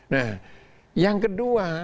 nah yang kedua